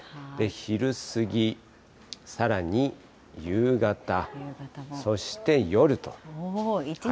昼過ぎ、さらに夕方、そして夜と。